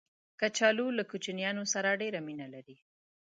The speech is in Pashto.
کچالو له کوچنیانو سره ډېر مینه لري